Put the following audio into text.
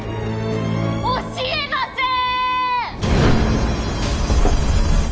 教えません！